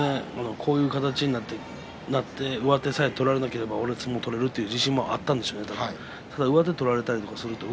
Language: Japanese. こういう形になって上手さえ取られなければ相撲を取れるという自信もあったんでしょうね